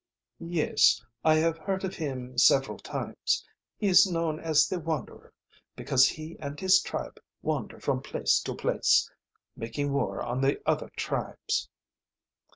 "Yes; I have heard of him several times. He is known as the Wanderer, because he and his tribe wander from place to place, making war on the other tribes."